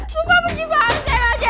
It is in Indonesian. sumpah benci banget ceasongan